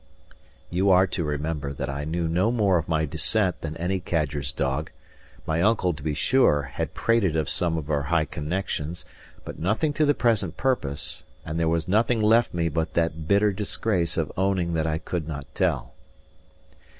You are to remember that I knew no more of my descent than any cadger's dog; my uncle, to be sure, had prated of some of our high connections, but nothing to the present purpose; and there was nothing left me but that bitter disgrace of owning that I could not tell.